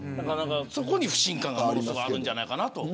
そこに不信感があるんじゃないかなと。